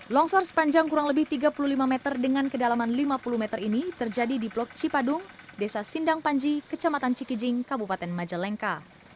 longsor sepanjang kurang lebih tiga puluh lima meter dengan kedalaman lima puluh meter ini terjadi di blok cipadung desa sindang panji kecamatan cikijing kabupaten majalengka